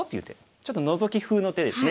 ちょっとノゾキふうの手ですね。